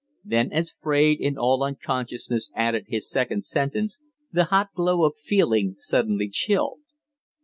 Then, as Fraide in all unconsciousness added his second sentence, the hot glow of feeling suddenly chilled.